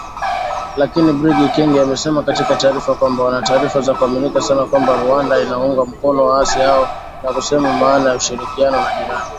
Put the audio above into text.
Lakini Brig Ekenge amesema katika taarifa kwamba “wana taarifa za kuaminika sana kwamba Rwanda inaunga mkono waasi hao na kusema maana ya ushirikiano na jirani.